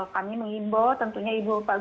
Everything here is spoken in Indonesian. kami mengimbo tentunya ibu bapak